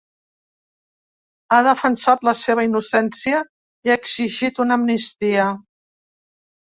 Ha defensat la seva innocència i ha exigit una amnistia.